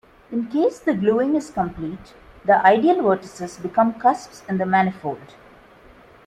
In case the gluing is complete the ideal vertices become cusps in the manifold.